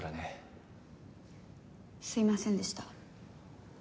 すいませんでした。